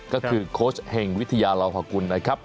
ก็คือโคชเฮงวิทยาลองภาคุณนะครับ